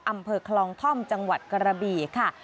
อำเภอคลองท่อมจังหวัดกระบี่ค่ะ